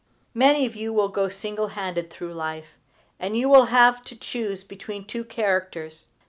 Many of you will go single handed through life, and you will have to choose between two characters.